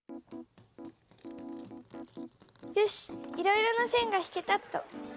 よしいろいろな線が引けたっと。